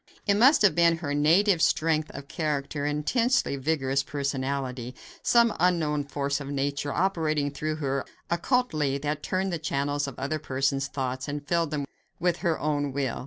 It must have been her native strength of character and intensely vigorous personality; some unknown force of nature, operating through her occultly, that turned the channels of other persons' thoughts and filled them with her own will.